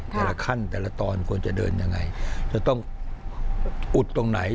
แต่ละขั้นแต่ละตอนควรจะเดินยังไงจะต้องอุดตรงไหน